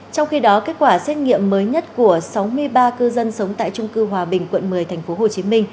trong khi đó kết quả xét nghiệm mới nhất của sáu mươi ba cư dân sống tại trung cư hòa bình quận một mươi tp hcm